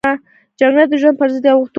جګړه د ژوند پرضد یوه توغنده ده